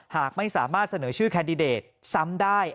หากไม่สามารถเสนอชื่อแคนดิเดตซ้ำได้